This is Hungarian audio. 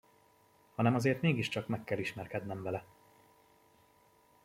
Hanem azért mégiscsak meg kell ismerkednem vele!